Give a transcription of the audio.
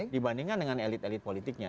dibandingkan dengan elit elit politiknya